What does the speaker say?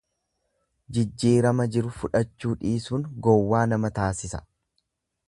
Jijjiirama jiru fudhachuu dhiisuun gowwaa nama taasisa.